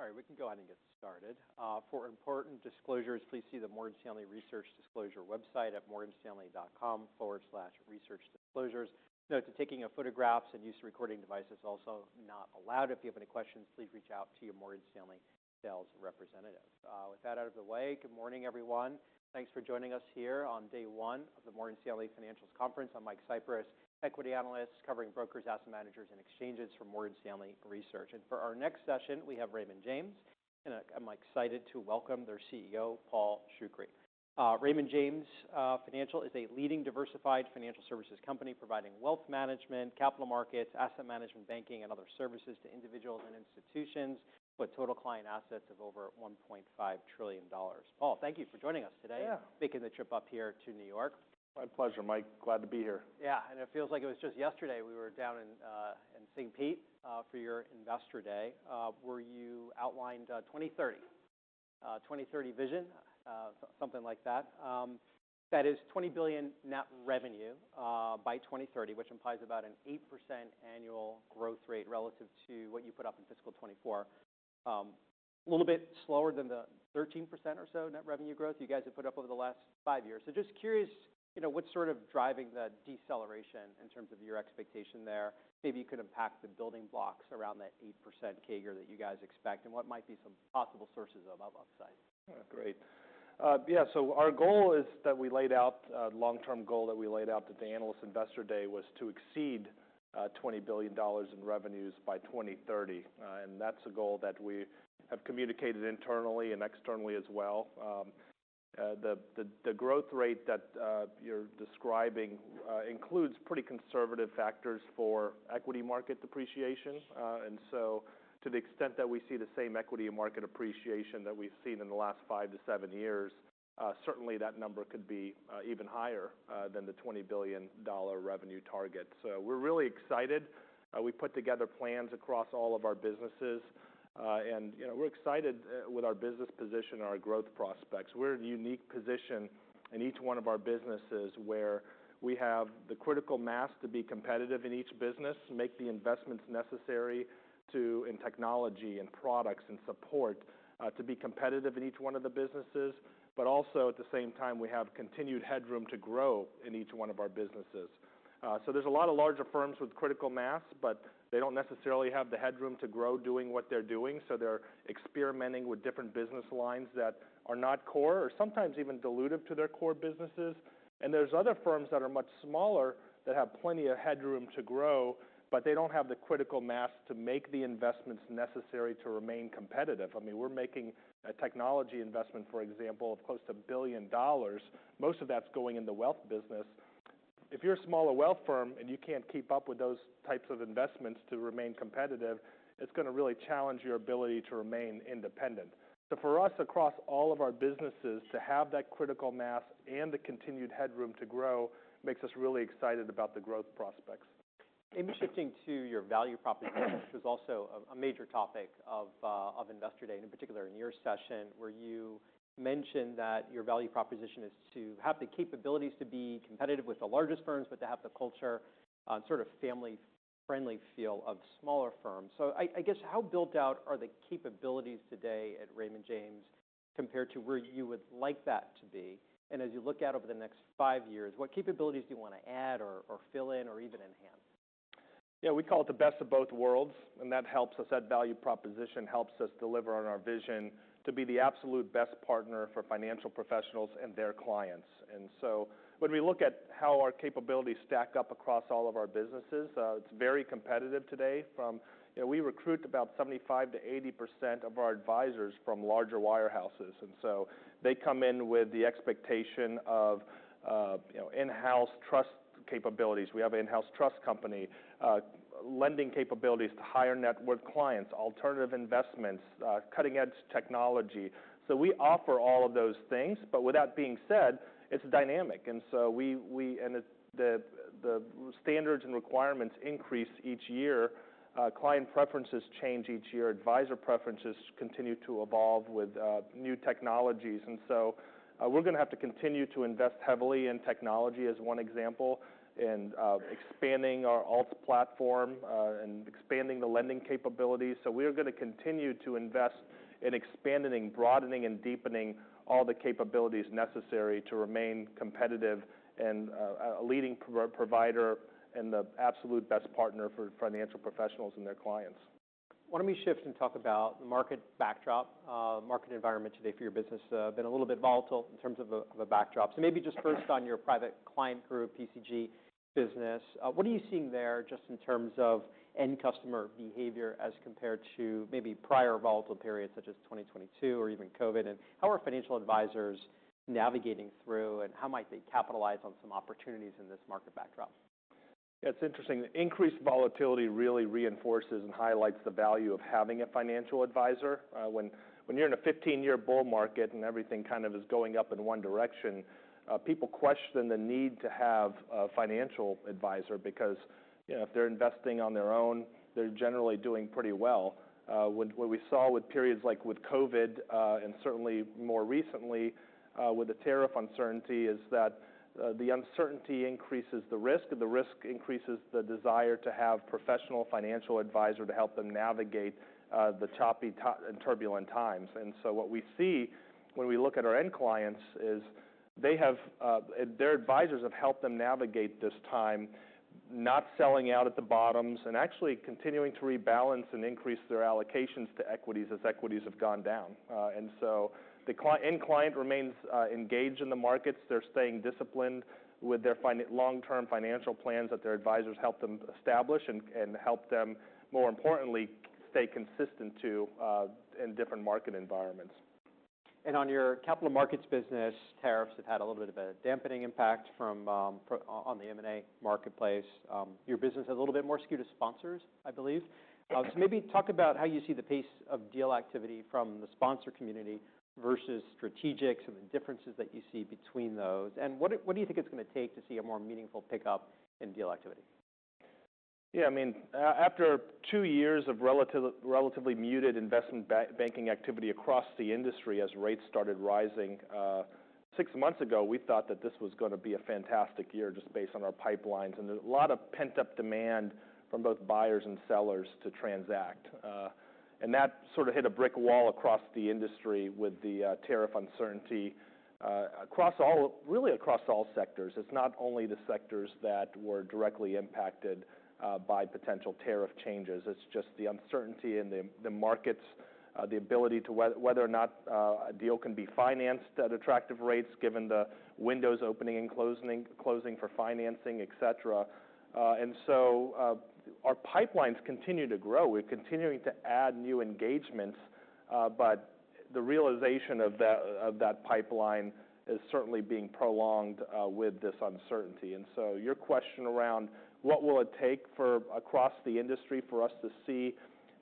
All right, we can go ahead and get started. For important disclosures, please see the Morgan Stanley Research Disclosure website at morganstanley.com/researchdisclosures. Note that taking photographs and use of recording devices is also not allowed. If you have any questions, please reach out to your Morgan Stanley sales representative. With that out of the way, good morning, everyone. Thanks for joining us here on day one of the Morgan Stanley Financials Conference. I'm Michael Cyprys, equity analyst covering brokers, asset managers, and exchanges for Morgan Stanley Research. For our next session, we have Raymond James, and I'm excited to welcome their CEO, Paul Shoukry. Raymond James Financial is a leading diversified financial services company providing wealth management, capital markets, asset management, banking, and other services to individuals and institutions with total client assets of over $1.5 trillion. Paul, thank you for joining us today. Yeah. Making the trip up here to New York. My pleasure, Mike. Glad to be here. Yeah, and it feels like it was just yesterday we were down in St. Pete for your investor day, where you outlined 2030, 2030 vision, something like that. That is $20 billion net revenue by 2030, which implies about an 8% annual growth rate relative to what you put up in fiscal 2024. A little bit slower than the 13% or so net revenue growth you guys have put up over the last five years. Just curious, you know, what's sort of driving the deceleration in terms of your expectation there? Maybe you could unpack the building blocks around that 8% CAGR that you guys expect and what might be some possible sources of upside. Great. Yeah, so our goal is that we laid out, the long-term goal that we laid out at the analyst investor day was to exceed $20 billion in revenues by 2030. And that's a goal that we have communicated internally and externally as well. The growth rate that you're describing includes pretty conservative factors for equity market depreciation. To the extent that we see the same equity market appreciation that we've seen in the last five to seven years, certainly that number could be even higher than the $20 billion revenue target. We are really excited. We put together plans across all of our businesses, and, you know, we're excited with our business position and our growth prospects. We're in a unique position in each one of our businesses where we have the critical mass to be competitive in each business, make the investments necessary in technology and products and support to be competitive in each one of the businesses. At the same time, we have continued headroom to grow in each one of our businesses. There are a lot of larger firms with critical mass, but they do not necessarily have the headroom to grow doing what they are doing. They are experimenting with different business lines that are not core or sometimes even dilutive to their core businesses. There are other firms that are much smaller that have plenty of headroom to grow, but they do not have the critical mass to make the investments necessary to remain competitive. I mean, we're making a technology investment, for example, of close to $1 billion. Most of that's going in the wealth business. If you're a smaller wealth firm and you can't keep up with those types of investments to remain competitive, it's gonna really challenge your ability to remain independent. For us, across all of our businesses, to have that critical mass and the continued headroom to grow makes us really excited about the growth prospects. Maybe shifting to your value proposition, which was also a major topic of investor day and in particular in your session where you mentioned that your value proposition is to have the capabilities to be competitive with the largest firms, but to have the culture and sort of family-friendly feel of smaller firms. I guess how built out are the capabilities today at Raymond James compared to where you would like that to be? As you look at over the next five years, what capabilities do you want to add or fill in or even enhance? Yeah, we call it the best of both worlds, and that helps us. That value proposition helps us deliver on our vision to be the absolute best partner for financial professionals and their clients. When we look at how our capabilities stack up across all of our businesses, it's very competitive today from, you know, we recruit about 75-80% of our advisors from larger wirehouses. They come in with the expectation of, you know, in-house trust capabilities. We have an in-house trust company, lending capabilities to higher net worth clients, alternative investments, cutting-edge technology. We offer all of those things. With that being said, it's dynamic. The standards and requirements increase each year. Client preferences change each year. Advisor preferences continue to evolve with new technologies. We're gonna have to continue to invest heavily in technology as one example, expanding our alts platform, and expanding the lending capabilities. We are gonna continue to invest in expanding, broadening, and deepening all the capabilities necessary to remain competitive and a leading pro-provider and the absolute best partner for financial professionals and their clients. Why don't we shift and talk about the market backdrop, market environment today for your business? Been a little bit volatile in terms of a backdrop. Maybe just first on your Private Client Group, PCG business, what are you seeing there just in terms of end customer behavior as compared to maybe prior volatile periods such as 2022 or even COVID? How are financial advisors navigating through, and how might they capitalize on some opportunities in this market backdrop? Yeah, it's interesting. Increased volatility really reinforces and highlights the value of having a financial advisor. When you're in a 15-year bull market and everything kind of is going up in one direction, people question the need to have a financial advisor because, you know, if they're investing on their own, they're generally doing pretty well. When we saw with periods like with COVID, and certainly more recently, with the tariff uncertainty, the uncertainty increases the risk, and the risk increases the desire to have a professional financial advisor to help them navigate the choppy and turbulent times. What we see when we look at our end clients is their advisors have helped them navigate this time, not selling out at the bottoms and actually continuing to rebalance and increase their allocations to equities as equities have gone down. and so the end client remains engaged in the markets. They're staying disciplined with their long-term financial plans that their advisors helped them establish and, more importantly, helped them stay consistent to, in different market environments. On your capital markets business, tariffs have had a little bit of a dampening impact on the M&A marketplace. Your business is a little bit more skewed to sponsors, I believe. Maybe talk about how you see the pace of deal activity from the sponsor community versus strategics and the differences that you see between those. What do you think it's gonna take to see a more meaningful pickup in deal activity? Yeah, I mean, after two years of relatively, relatively muted investment banking activity across the industry as rates started rising, six months ago, we thought that this was gonna be a fantastic year just based on our pipelines. And there's a lot of pent-up demand from both buyers and sellers to transact. That sort of hit a brick wall across the industry with the tariff uncertainty, across all, really across all sectors. It's not only the sectors that were directly impacted by potential tariff changes. It's just the uncertainty in the markets, the ability to whether, whether or not a deal can be financed at attractive rates given the windows opening and closing, closing for financing, etc. Our pipelines continue to grow. We're continuing to add new engagements, but the realization of that, of that pipeline is certainly being prolonged with this uncertainty. Your question around what will it take for across the industry for us to see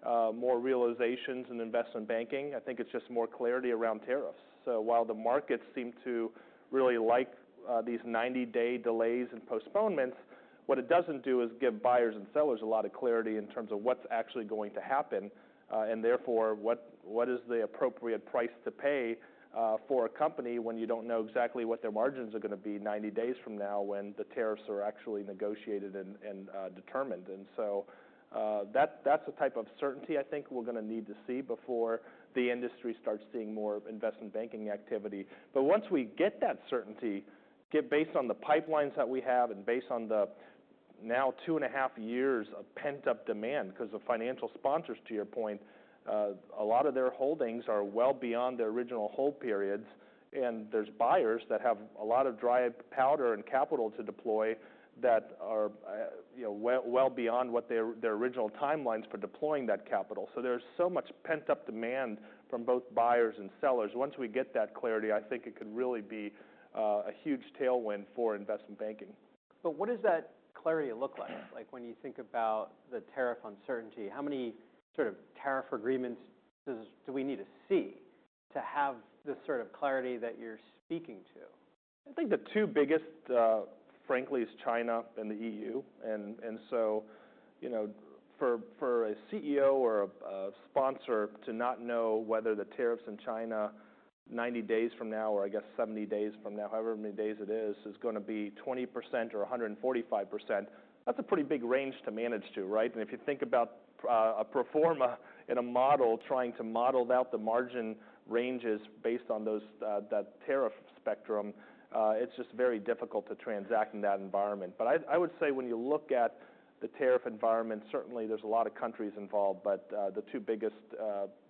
more realizations in investment banking, I think it's just more clarity around tariffs. While the markets seem to really like these 90-day delays and postponements, what it doesn't do is give buyers and sellers a lot of clarity in terms of what's actually going to happen, and therefore what is the appropriate price to pay for a company when you don't know exactly what their margins are gonna be 90 days from now when the tariffs are actually negotiated and determined. That's the type of certainty I think we're gonna need to see before the industry starts seeing more investment banking activity. Once we get that certainty, based on the pipelines that we have and based on the now two and a half years of pent-up demand 'cause of financial sponsors, to your point, a lot of their holdings are well beyond their original hold periods. There are buyers that have a lot of dry powder and capital to deploy that are well beyond their original timelines for deploying that capital. There is so much pent-up demand from both buyers and sellers. Once we get that clarity, I think it could really be a huge tailwind for investment banking. What does that clarity look like? Like when you think about the tariff uncertainty, how many sort of tariff agreements do we need to see to have this sort of clarity that you're speaking to? I think the two biggest, frankly, are China and the EU. You know, for a CEO or a sponsor to not know whether the tariffs in China 90 days from now, or I guess 70 days from now, however many days it is, are gonna be 20% or 145%, that is a pretty big range to manage to, right? If you think about a proforma in a model, trying to model out the margin ranges based on those, that tariff spectrum, it is just very difficult to transact in that environment. I would say when you look at the tariff environment, certainly there are a lot of countries involved, but the two biggest,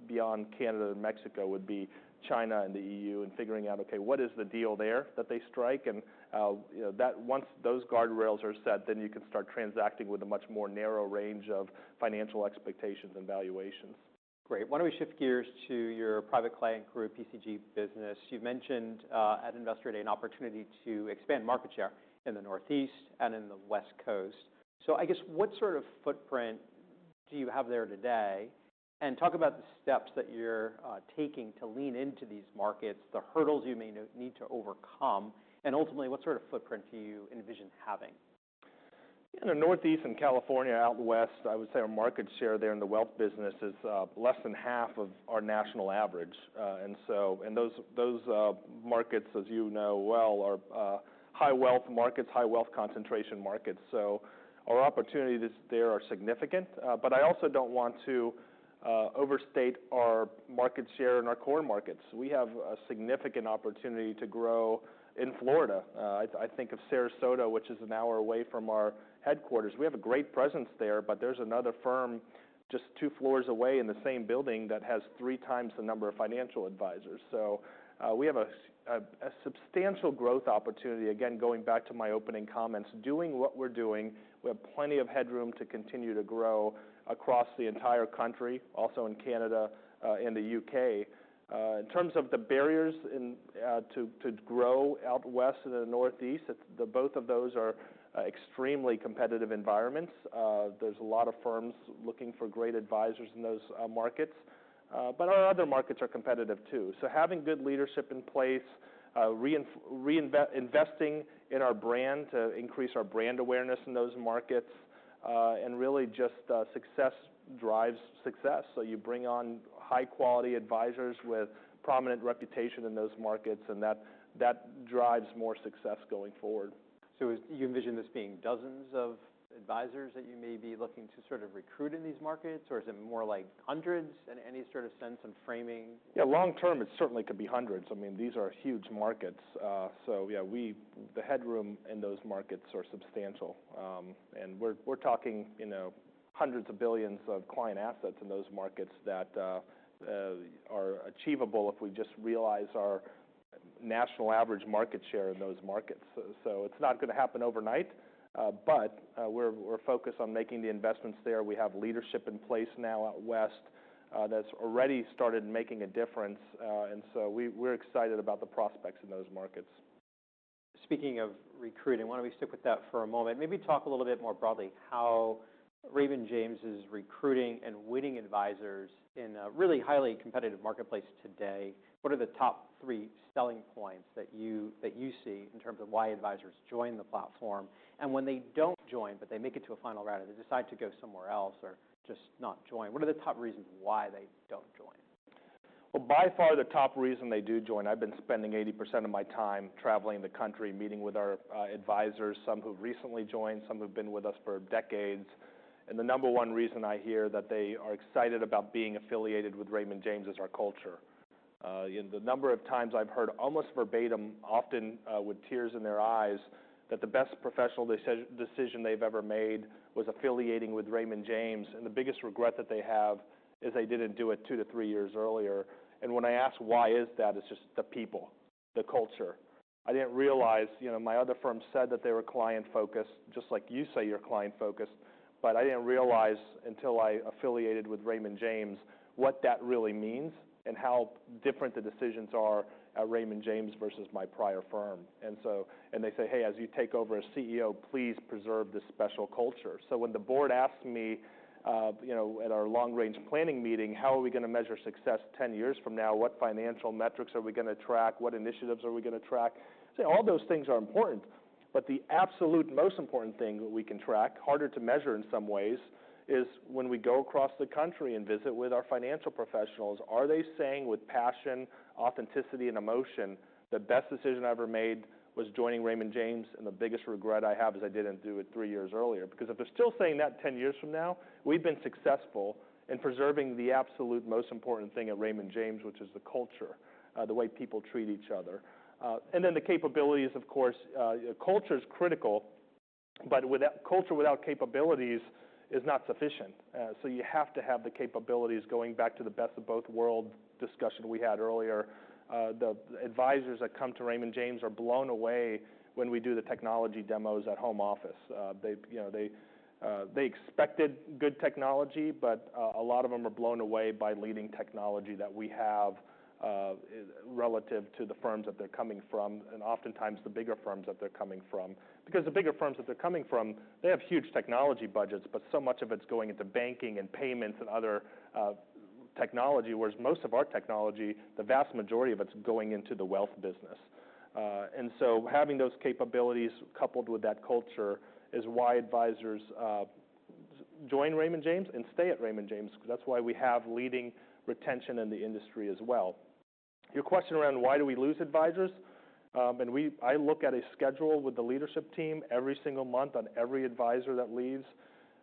beyond Canada and Mexico, would be China and the EU and figuring out, okay, what is the deal there that they strike? You know, that once those guardrails are set, then you can start transacting with a much more narrow range of financial expectations and valuations. Great. Why don't we shift gears to your Private Client Group, PCG business? You've mentioned, at investor day, an opportunity to expand market share in the Northeast and in the West Coast. I guess what sort of footprint do you have there today? Talk about the steps that you're taking to lean into these markets, the hurdles you may need to overcome, and ultimately what sort of footprint do you envision having? In the Northeast and California out west, I would say our market share there in the wealth business is less than half of our national average. Those markets, as you know well, are high wealth markets, high wealth concentration markets. Our opportunities there are significant. I also do not want to overstate our market share in our core markets. We have a significant opportunity to grow in Florida. I think of Sarasota, which is an hour away from our headquarters. We have a great presence there, but there is another firm just two floors away in the same building that has three times the number of financial advisors. We have a substantial growth opportunity. Again, going back to my opening comments, doing what we're doing, we have plenty of headroom to continue to grow across the entire country, also in Canada and the U.K. In terms of the barriers to grow out west and in the Northeast, both of those are extremely competitive environments. There are a lot of firms looking for great advisors in those markets. Our other markets are competitive too. Having good leadership in place, reinvesting in our brand to increase our brand awareness in those markets, and really just, success drives success. You bring on high-quality advisors with prominent reputation in those markets, and that drives more success going forward. Is you envision this being dozens of advisors that you may be looking to sort of recruit in these markets, or is it more like hundreds in any sort of sense and framing? Yeah, long-term, it certainly could be hundreds. I mean, these are huge markets. Yeah, the headroom in those markets is substantial. We're talking hundreds of billions of client assets in those markets that are achievable if we just realize our national average market share in those markets. It's not going to happen overnight. We're focused on making the investments there. We have leadership in place now out west that's already started making a difference. We're excited about the prospects in those markets. Speaking of recruiting, why don't we stick with that for a moment? Maybe talk a little bit more broadly how Raymond James is recruiting and winning advisors in a really highly competitive marketplace today. What are the top three selling points that you see in terms of why advisors join the platform? When they don't join, but they make it to a final round and they decide to go somewhere else or just not join, what are the top reasons why they don't join? By far the top reason they do join, I've been spending 80% of my time traveling the country, meeting with our advisors, some who've recently joined, some who've been with us for decades. The number one reason I hear that they are excited about being affiliated with Raymond James is our culture. The number of times I've heard almost verbatim, often with tears in their eyes, that the best professional decision they've ever made was affiliating with Raymond James. The biggest regret that they have is they didn't do it two to three years earlier. When I ask why is that, it's just the people, the culture. I didn't realize, you know, my other firm said that they were client-focused, just like you say you're client-focused, but I didn't realize until I affiliated with Raymond James what that really means and how different the decisions are at Raymond James versus my prior firm. They say, "Hey, as you take over as CEO, please preserve this special culture." When the board asked me, you know, at our long-range planning meeting, how are we gonna measure success 10 years from now? What financial metrics are we gonna track? What initiatives are we gonna track? All those things are important, but the absolute most important thing that we can track, harder to measure in some ways, is when we go across the country and visit with our financial professionals, are they saying with passion, authenticity, and emotion, "The best decision I ever made was joining Raymond James, and the biggest regret I have is I didn't do it three years earlier"? Because if they're still saying that 10 years from now, we've been successful in preserving the absolute most important thing at Raymond James, which is the culture, the way people treat each other. And then the capabilities, of course, culture's critical, but without culture, without capabilities is not sufficient. You have to have the capabilities going back to the best of both worlds discussion we had earlier. The advisors that come to Raymond James are blown away when we do the technology demos at home office. They, you know, expected good technology, but a lot of them are blown away by leading technology that we have, relative to the firms that they're coming from and oftentimes the bigger firms that they're coming from. Because the bigger firms that they're coming from, they have huge technology budgets, but so much of it's going into banking and payments and other technology, whereas most of our technology, the vast majority of it's going into the wealth business. And so having those capabilities coupled with that culture is why advisors join Raymond James and stay at Raymond James. That's why we have leading retention in the industry as well. Your question around why do we lose advisors? I look at a schedule with the leadership team every single month on every advisor that leaves.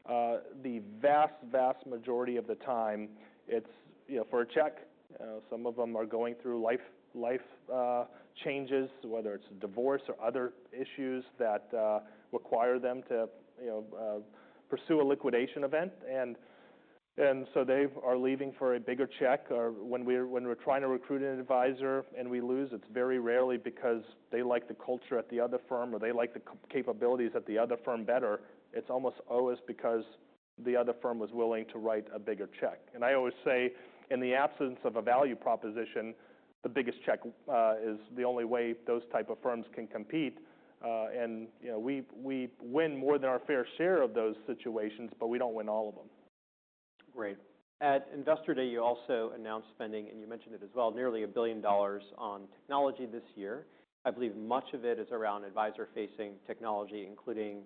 The vast, vast majority of the time, it's, you know, for a check. Some of them are going through life changes, whether it's a divorce or other issues that require them to, you know, pursue a liquidation event. They are leaving for a bigger check. When we're trying to recruit an advisor and we lose, it's very rarely because they like the culture at the other firm or they like the capabilities at the other firm better. It's almost always because the other firm was willing to write a bigger check. I always say in the absence of a value proposition, the biggest check is the only way those type of firms can compete. and, you know, we win more than our fair share of those situations, but we don't win all of them. Great. At investor day, you also announced spending, and you mentioned it as well, nearly $1 billion on technology this year. I believe much of it is around advisor-facing technology, including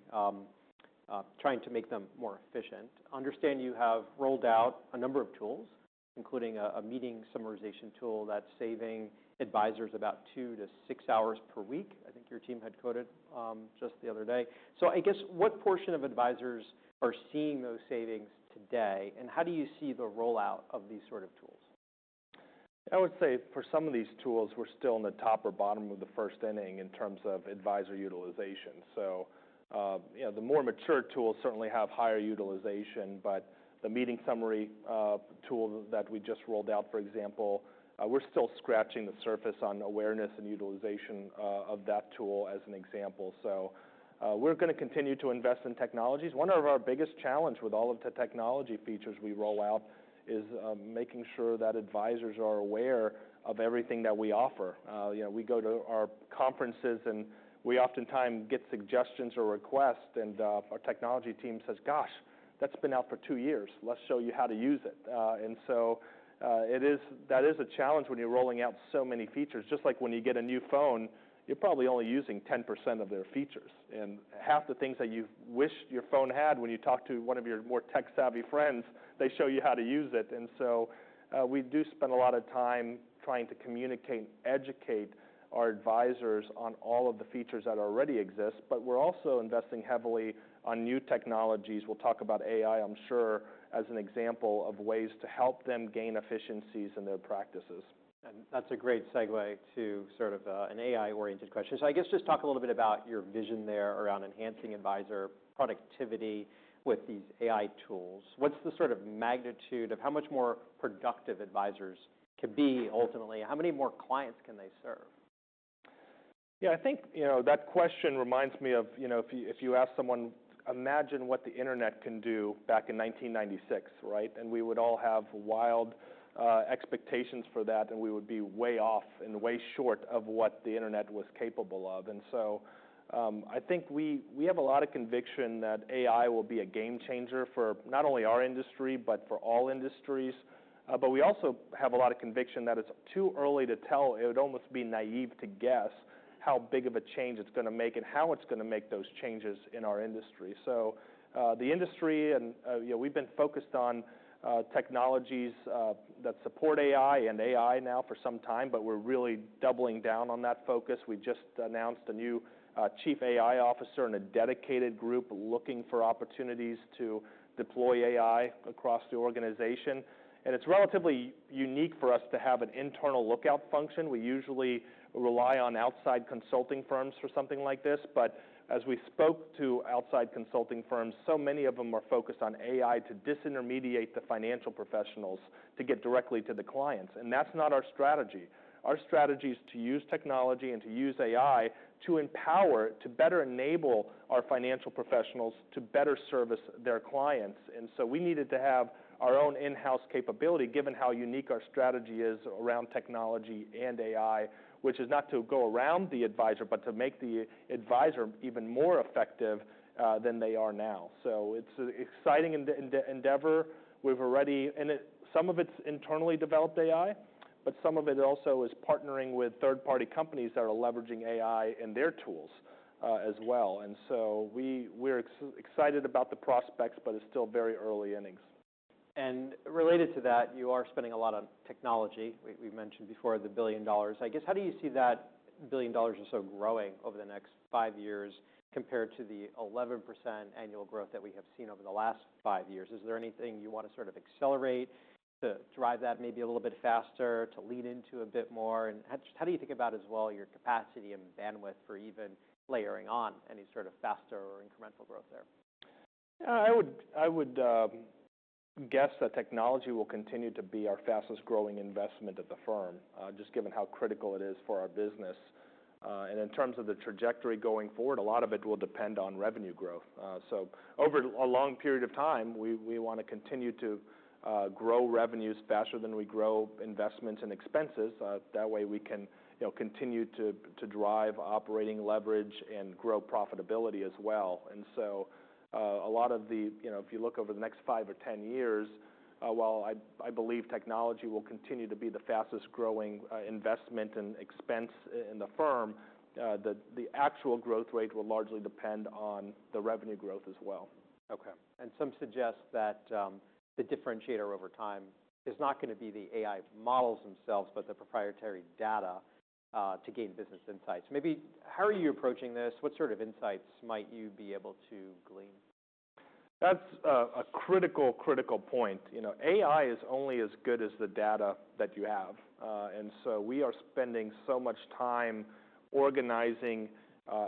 trying to make them more efficient. Understand you have rolled out a number of tools, including a meeting summarization tool that's saving advisors about 2-6 hours per week. I think your team had quoted, just the other day. I guess what portion of advisors are seeing those savings today, and how do you see the rollout of these sort of tools? I would say for some of these tools, we're still in the top or bottom of the first inning in terms of advisor utilization. You know, the more mature tools certainly have higher utilization, but the meeting summary tool that we just rolled out, for example, we're still scratching the surface on awareness and utilization of that tool as an example. We're gonna continue to invest in technologies. One of our biggest challenges with all of the technology features we roll out is making sure that advisors are aware of everything that we offer. You know, we go to our conferences and we oftentimes get suggestions or requests, and our technology team says, "Gosh, that's been out for two years. Let's show you how to use it." That is a challenge when you're rolling out so many features. Just like when you get a new phone, you're probably only using 10% of their features. Half the things that you wish your phone had, when you talk to one of your more tech-savvy friends, they show you how to use it. We do spend a lot of time trying to communicate and educate our advisors on all of the features that already exist, but we're also investing heavily on new technologies. We'll talk about AI, I'm sure, as an example of ways to help them gain efficiencies in their practices. That's a great segue to sort of, an AI-oriented question. I guess just talk a little bit about your vision there around enhancing advisor productivity with these AI tools. What's the sort of magnitude of how much more productive advisors can be ultimately? How many more clients can they serve? Yeah, I think, you know, that question reminds me of, you know, if you ask someone, "Imagine what the internet can do back in 1996," right? We would all have wild expectations for that, and we would be way off and way short of what the internet was capable of. I think we have a lot of conviction that AI will be a game changer for not only our industry, but for all industries. We also have a lot of conviction that it's too early to tell. It would almost be naive to guess how big of a change it's gonna make and how it's gonna make those changes in our industry. The industry and, you know, we've been focused on technologies that support AI and AI now for some time, but we're really doubling down on that focus. We just announced a new Chief AI Officer and a dedicated group looking for opportunities to deploy AI across the organization. It is relatively unique for us to have an internal lookout function. We usually rely on outside consulting firms for something like this. As we spoke to outside consulting firms, so many of them are focused on AI to disintermediate the financial professionals to get directly to the clients. That is not our strategy. Our strategy is to use technology and to use AI to empower, to better enable our financial professionals to better service their clients. We needed to have our own in-house capability, given how unique our strategy is around technology and AI, which is not to go around the advisor, but to make the advisor even more effective than they are now. It is an exciting endeavor. We've already, and some of it's internally developed AI, but some of it also is partnering with third-party companies that are leveraging AI in their tools, as well. We are excited about the prospects, but it's still very early innings. Related to that, you are spending a lot on technology. We've mentioned before the billion dollars. I guess how do you see that billion dollars or so growing over the next five years compared to the 11% annual growth that we have seen over the last five years? Is there anything you wanna sort of accelerate to drive that maybe a little bit faster, to lean into a bit more? How do you think about as well your capacity and bandwidth for even layering on any sort of faster or incremental growth there? Yeah, I would guess that technology will continue to be our fastest growing investment at the firm, just given how critical it is for our business. In terms of the trajectory going forward, a lot of it will depend on revenue growth. Over a long period of time, we want to continue to grow revenues faster than we grow investments and expenses. That way we can, you know, continue to drive operating leverage and grow profitability as well. A lot of the, you know, if you look over the next five or 10 years, while I believe technology will continue to be the fastest growing investment and expense in the firm, the actual growth rate will largely depend on the revenue growth as well. Okay. Some suggest that the differentiator over time is not gonna be the AI models themselves, but the proprietary data, to gain business insights. Maybe how are you approaching this? What sort of insights might you be able to glean? That's a critical, critical point. You know, AI is only as good as the data that you have, and so we are spending so much time organizing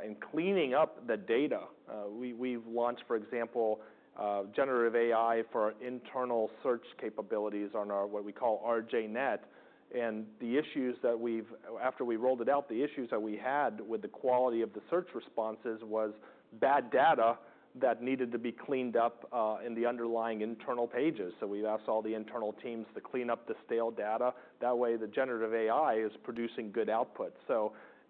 and cleaning up the data. We, we've launched, for example, generative AI for our internal search capabilities on our, what we call, RJNet. The issues that we've, after we rolled it out, the issues that we had with the quality of the search responses was bad data that needed to be cleaned up in the underlying internal pages. We have asked all the internal teams to clean up the stale data. That way the generative AI is producing good output.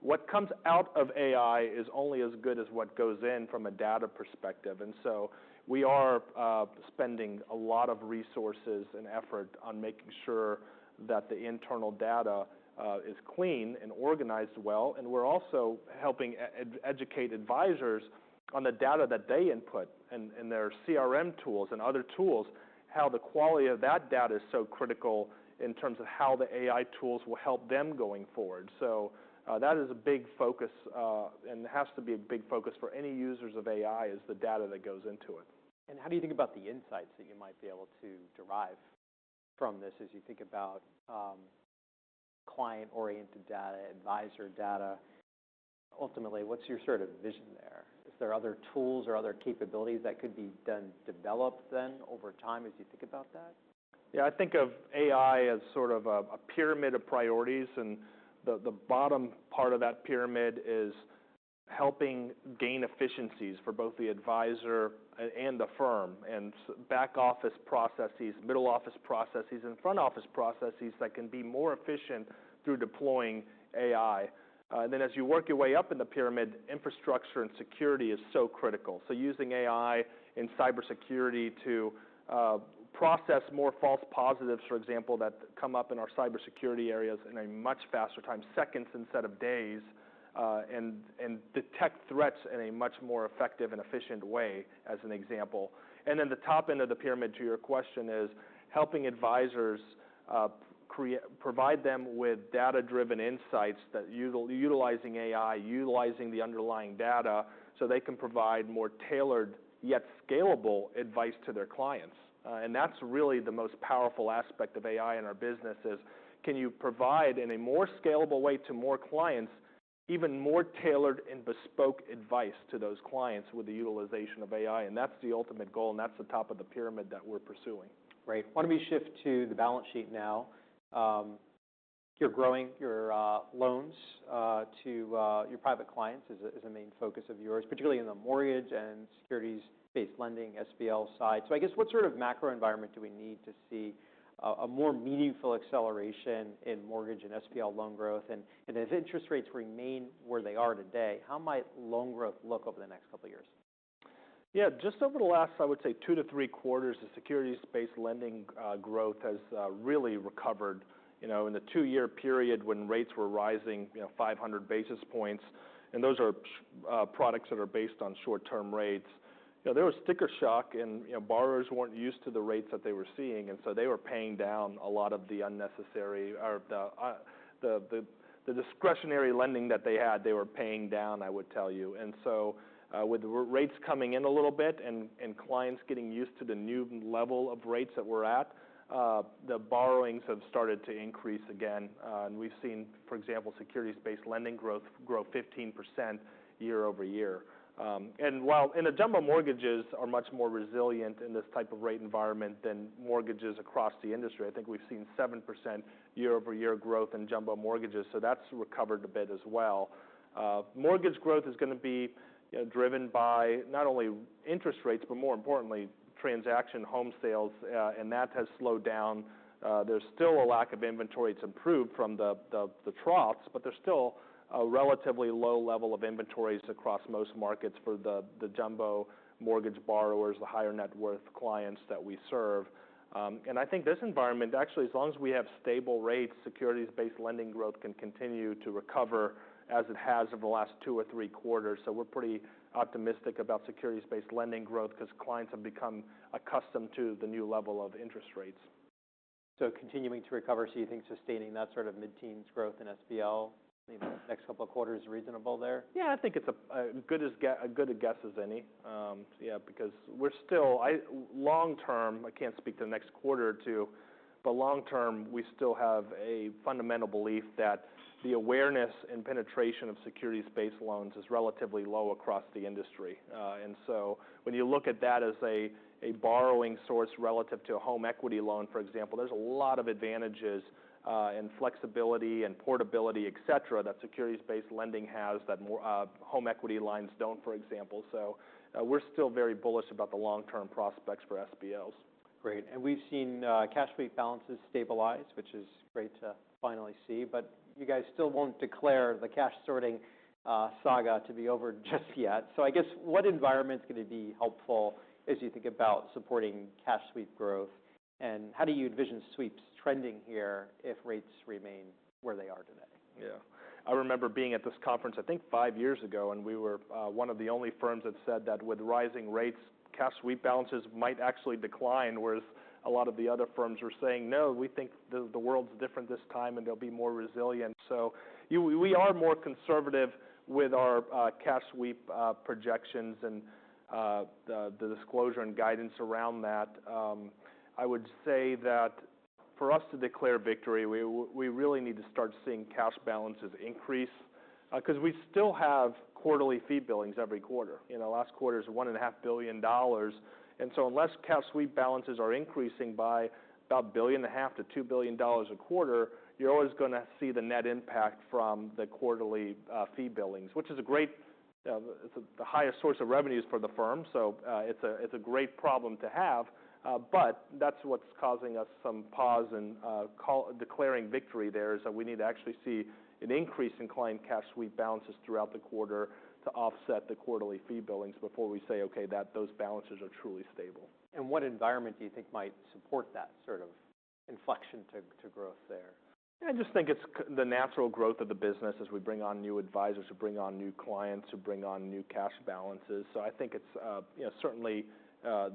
What comes out of AI is only as good as what goes in from a data perspective. We are spending a lot of resources and effort on making sure that the internal data is clean and organized well. We're also helping educate advisors on the data that they input in their CRM tools and other tools, how the quality of that data is so critical in terms of how the AI tools will help them going forward. That is a big focus, and has to be a big focus for any users of AI, the data that goes into it. How do you think about the insights that you might be able to derive from this as you think about client-oriented data, advisor data? Ultimately, what's your sort of vision there? Is there other tools or other capabilities that could be done, develop then over time as you think about that? Yeah, I think of AI as sort of a pyramid of priorities, and the bottom part of that pyramid is helping gain efficiencies for both the advisor and the firm and back office processes, middle office processes, and front office processes that can be more efficient through deploying AI. As you work your way up in the pyramid, infrastructure and security is so critical. Using AI in cybersecurity to process more false positives, for example, that come up in our cybersecurity areas in a much faster time, seconds instead of days, and detect threats in a much more effective and efficient way, as an example. The top end of the pyramid to your question is helping advisors, create, provide them with data-driven insights that utilizing AI, utilizing the underlying data so they can provide more tailored yet scalable advice to their clients. That's really the most powerful aspect of AI in our business. Can you provide, in a more scalable way to more clients, even more tailored and bespoke advice to those clients with the utilization of AI? That's the ultimate goal, and that's the top of the pyramid that we're pursuing. Great. Why don't we shift to the balance sheet now? You're growing your loans to your private clients, which is a main focus of yours, particularly in the mortgage and securities-based lending, SBL, side. I guess what sort of macro environment do we need to see for a more meaningful acceleration in mortgage and SBL loan growth? If interest rates remain where they are today, how might loan growth look over the next couple of years? Yeah, just over the last, I would say, two to three quarters, the securities-based lending growth has really recovered, you know, in the two-year period when rates were rising, you know, 500 basis points. And those are products that are based on short-term rates. You know, there was sticker shock and, you know, borrowers were not used to the rates that they were seeing, and so they were paying down a lot of the unnecessary or the discretionary lending that they had, they were paying down, I would tell you. With rates coming in a little bit and clients getting used to the new level of rates that we are at, the borrowings have started to increase again. We have seen, for example, securities-based lending growth grow 15% year-over-year. While jumbo mortgages are much more resilient in this type of rate environment than mortgages across the industry, I think we've seen 7% year-over-year growth in jumbo mortgages. That has recovered a bit as well. Mortgage growth is gonna be, you know, driven by not only interest rates, but more importantly, transaction home sales, and that has slowed down. There's still a lack of inventory. It's improved from the troughs, but there's still a relatively low level of inventories across most markets for the jumbo mortgage borrowers, the higher net worth clients that we serve. I think this environment actually, as long as we have stable rates, securities-based lending growth can continue to recover as it has over the last two or three quarters. We're pretty optimistic about securities-based lending growth 'cause clients have become accustomed to the new level of interest rates. Continuing to recover. Do you think sustaining that sort of mid-teens growth in SBL in the next couple of quarters is reasonable there? Yeah, I think it's as good a guess as any. Yeah, because we're still, long term, I can't speak to the next quarter or two, but long term we still have a fundamental belief that the awareness and penetration of securities-based loans is relatively low across the industry. And so when you look at that as a borrowing source relative to a home equity loan, for example, there's a lot of advantages, and flexibility and portability, etc, that securities-based lending has that more home equity lines don't, for example. Yeah, we're still very bullish about the long-term prospects for SBLs. Great. We've seen cash sweep balances stabilize, which is great to finally see, but you guys still won't declare the cash sorting saga to be over just yet. I guess what environment is going to be helpful as you think about supporting cash sweep growth? How do you envision sweeps trending here if rates remain where they are today? Yeah. I remember being at this conference, I think five years ago, and we were one of the only firms that said that with rising rates, cash sweep balances might actually decline, whereas a lot of the other firms were saying, "No, we think the, the world's different this time and they'll be more resilient." You know, we are more conservative with our cash sweep projections and the disclosure and guidance around that. I would say that for us to declare victory, we really need to start seeing cash balances increase, 'cause we still have quarterly fee billings every quarter. You know, last quarter's $1.5 billion. Unless cash sweep balances are increasing by about $1.5 billion-$2 billion a quarter, you're always gonna see the net impact from the quarterly fee billings, which is a great, it's the highest source of revenues for the firm. It's a great problem to have, but that's what's causing us some pause and, call declaring victory there is that we need to actually see an increase in client cash sweep balances throughout the quarter to offset the quarterly fee billings before we say, "Okay, that those balances are truly stable. What environment do you think might support that sort of inflection to growth there? I just think it's the natural growth of the business as we bring on new advisors, who bring on new clients, who bring on new cash balances. I think it's, you know, certainly,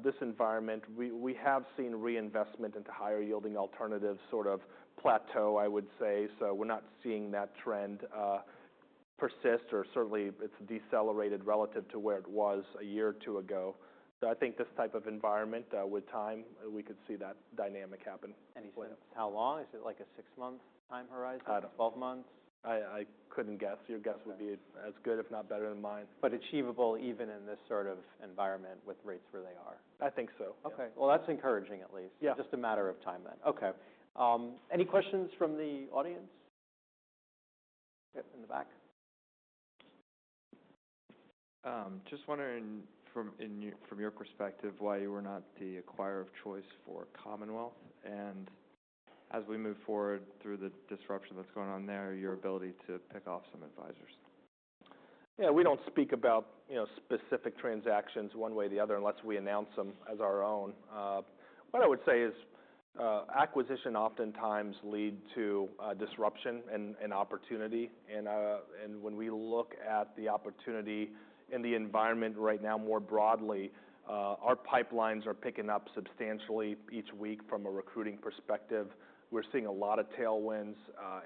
this environment, we have seen reinvestment into higher yielding alternatives sort of plateau, I would say. We're not seeing that trend persist or certainly it's decelerated relative to where it was a year or two ago. I think this type of environment, with time, we could see that dynamic happen. You said how long? Is it like a six-month time horizon? I don't know. 12 months? I couldn't guess. Your guess would be as good, if not better than mine. Achievable even in this sort of environment with rates where they are? I think so. Okay. That is encouraging at least. Yeah. Just a matter of time then. Okay. Any questions from the audience? Yep, in the back. Just wondering from, in your, from your perspective, why you were not the acquirer of choice for Commonwealth and as we move forward through the disruption that's going on there, your ability to pick off some advisors? Yeah, we do not speak about, you know, specific transactions one way or the other unless we announce them as our own. What I would say is, acquisition oftentimes leads to disruption and opportunity. And when we look at the opportunity in the environment right now more broadly, our pipelines are picking up substantially each week from a recruiting perspective. We are seeing a lot of tailwinds,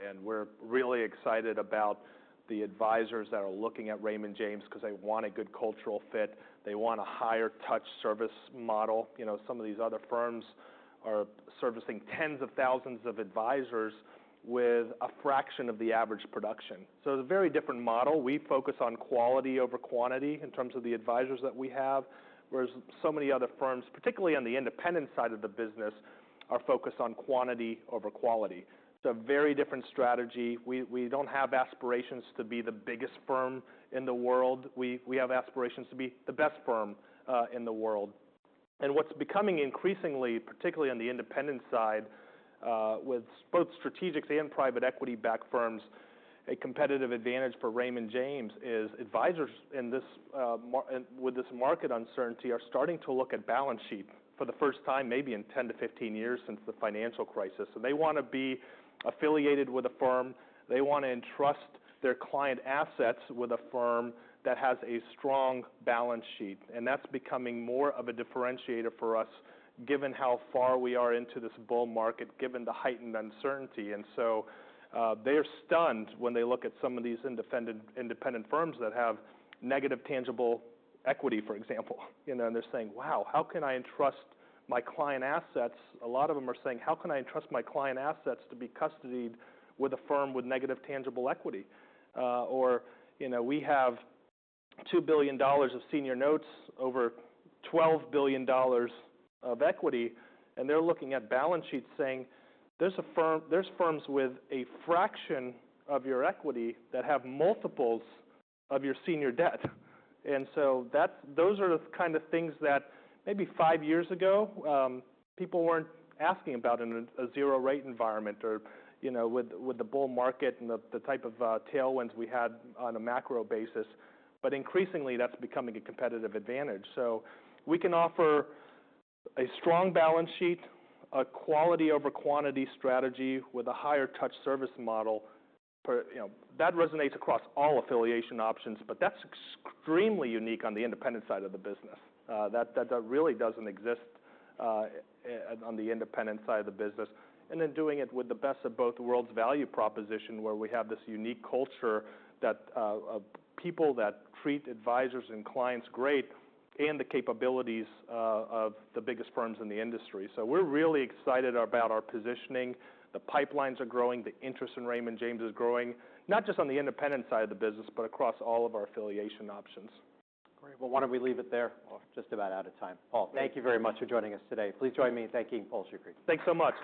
and we are really excited about the advisors that are looking at Raymond James 'cause they want a good cultural fit. They want a higher touch service model. You know, some of these other firms are servicing tens of thousands of advisors with a fraction of the average production. So it is a very different model. We focus on quality over quantity in terms of the advisors that we have, whereas so many other firms, particularly on the independent side of the business, are focused on quantity over quality. It is a very different strategy. We do not have aspirations to be the biggest firm in the world. We have aspirations to be the best firm in the world. What is becoming increasingly, particularly on the independent side, with both strategics and private equity-backed firms, a competitive advantage for Raymond James is advisors in this market, with this market uncertainty, are starting to look at balance sheet for the first time maybe in 10 to 15 years since the financial crisis. They want to be affiliated with a firm. They want to entrust their client assets with a firm that has a strong balance sheet. That is becoming more of a differentiator for us given how far we are into this bull market, given the heightened uncertainty. They are stunned when they look at some of these independent firms that have negative tangible equity, for example. You know, and they're saying, "Wow, how can I entrust my client assets?" A lot of them are saying, "How can I entrust my client assets to be custodied with a firm with negative tangible equity?" or, you know, we have $2 billion of senior notes over $12 billion of equity, and they're looking at balance sheet saying, "There's a firm, there's firms with a fraction of your equity that have multiples of your senior debt." Those are the kind of things that maybe five years ago, people were not asking about in a zero rate environment or, you know, with the bull market and the type of tailwinds we had on a macro basis. Increasingly, that is becoming a competitive advantage. We can offer a strong balance sheet, a quality over quantity strategy with a higher touch service model per, you know, that resonates across all affiliation options, but that's extremely unique on the independent side of the business. That really doesn't exist on the independent side of the business. And then doing it with the best of both worlds value proposition where we have this unique culture, people that treat advisors and clients great, and the capabilities of the biggest firms in the industry. We're really excited about our positioning. The pipelines are growing. The interest in Raymond James is growing, not just on the independent side of the business, but across all of our affiliation options. Great. Why don't we leave it there? We're just about out of time. Paul, thank you very much for joining us today. Please join me in thanking Paul Shoukry. Thanks so much.